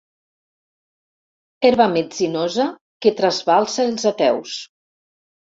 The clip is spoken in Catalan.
Herba metzinosa que trasbalsa els ateus.